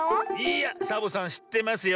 いやサボさんしってますよ。